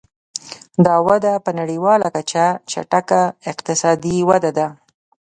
دا وده په نړیواله کچه چټکه اقتصادي وده ده.